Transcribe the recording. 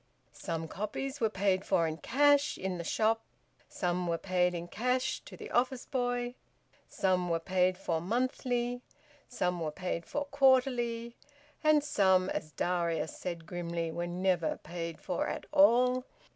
Some copies were paid for in cash in the shop, some were paid in cash to the office boy, some were paid for monthly, some were paid for quarterly, and some, as Darius said grimly, were never paid for at all.